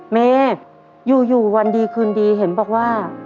เมย์อยู่วันดีคืนดีเห็นบอกว่า